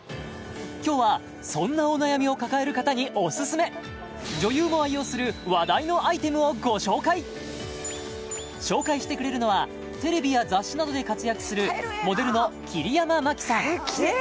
今日はそんなお悩みを抱える方にオススメ女優も愛用する話題のアイテムをご紹介紹介してくれるのはテレビや雑誌などで活躍するモデルの桐山マキさん